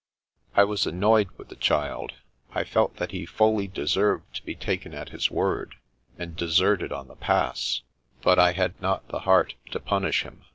I was annoyed with the child. I felt that he fully deserved to be taken at his word, and deserted on the Pass, but I had not the heart to punish him.